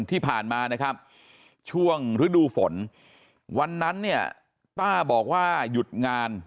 ที่ผ่านมานะครับช่วงฤดูฝนวันนั้นเนี่ยป้าบอกว่าหยุดงาน